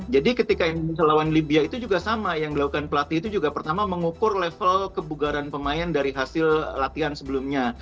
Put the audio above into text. jadi ketika yang menelawan libya itu juga sama yang dilakukan pelatih itu juga pertama mengukur level kebugaran pemain dari hasil latihan sebelumnya